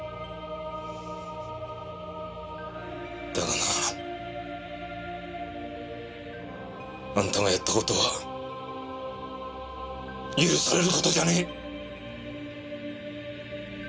だがなあんたがやった事は許される事じゃねえ！